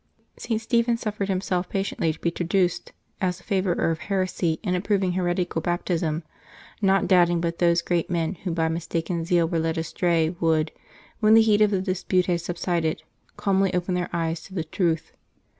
St. Stephen suffered himself patiently to be traduced as a favorer of heresy in approving heretical baptism, not doubting but those great men who by mistaken zeal were led astray would, when the heat of the dispute had subsided, calmly open their eyes to the truth.